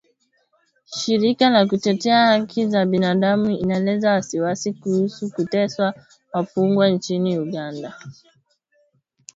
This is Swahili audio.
shirika la kutetea hakli za binadamu inaelezea wasiwasi kuhusu kuteswa wafungwa nchini Uganda